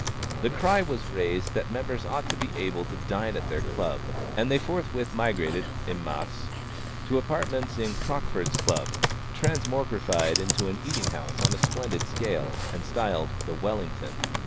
The cry was raised that members ought to be able to dine at their Club, and they forthwith migrated en masse to apartments in Crockford's Club, transmogrified into an eating house on a splendid scale, and styled "The Wellington."